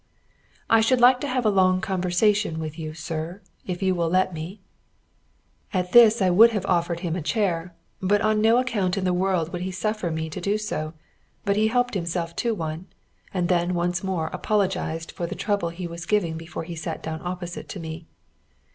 "I should like to have a long conversation with you, sir, if you will let me." At this I would have offered him a chair, but on no account in the world would he suffer me to do so, but helped himself to one, and then once more apologised for the trouble he was giving before he sat down opposite to me.